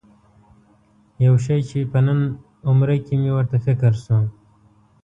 یو شی چې په نن عمره کې مې ورته فکر شو.